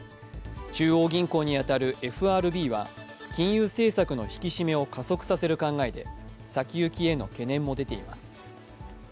中央銀行に当たるＦＲＢは金融政策の引き締めを加速させる考えで、先行きへの懸念も出ています。